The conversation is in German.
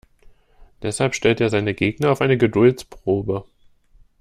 Deshalb stellt er seinen Gegner auf eine Geduldsprobe.